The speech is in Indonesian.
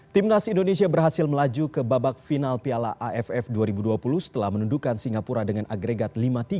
timnas indonesia berhasil melaju ke babak final piala aff dua ribu dua puluh setelah menundukan singapura dengan agregat lima tiga